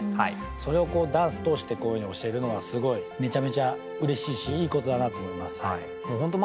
それをダンス通してこういうふうに教えるのはすごいめちゃめちゃうれしいしいいことだなと思いますね。